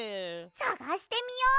さがしてみよう！